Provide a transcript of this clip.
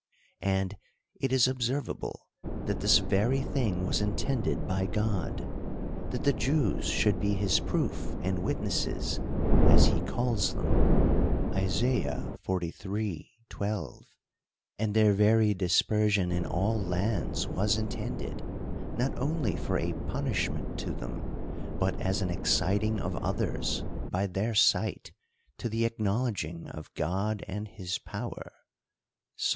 And it is observable, that this very thing was intended by God ; that the Jews should be his proof and wit nesses, as he calls them (Isa. xliii. 12). And their very dispersion in all lands was intended, not only for a pun ishment to them, but as an exciting of others, by their sight, to the acknowledging of God and his power (Ps.